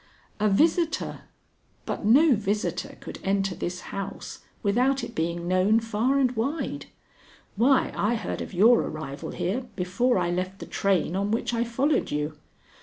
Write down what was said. "A visitor But no visitor could enter this house without it being known far and wide. Why, I heard of your arrival here before I left the train on which I followed you.